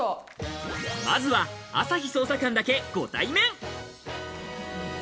まずは朝日捜査官だけをご対面！